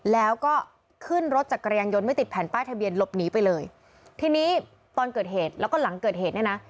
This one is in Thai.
แล้วก็ขึ้นรถจักรยานยนต์ไม่ติดแผ่นป้ายทะเบียนหลบหนีไปเลยทีนี้ตอนเกิดเหตุแล้วก็หลังเกิดเหตุเนี่ยนะ